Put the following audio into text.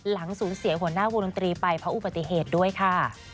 หลังสูญเสียหัวหน้าวงดนตรีไปเพราะอุบัติเหตุด้วยค่ะ